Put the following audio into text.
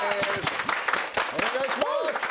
お願いします。